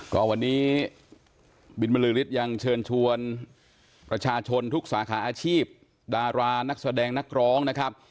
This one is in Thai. ก็วันนี้บินบรือฤทธิ์ยังเชิญชวนประชาชนทุกสาขาอาชีพดารานักแสดงนักร้องนะครับ